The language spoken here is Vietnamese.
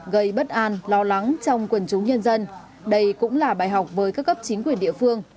gây bất an lo lắng trong quần chúng nhân dân đây cũng là bài học với các cấp chính quyền địa phương